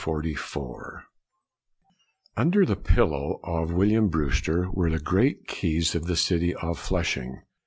BREWSTER 1560 1644 UNDER the pillow of William Brewster were the great keys of the city of Flush ing.